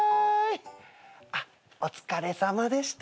あっお疲れさまでした。